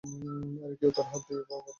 আর কেউ তার হাত দিয়ে পাঠিয়ে দিয়েছে?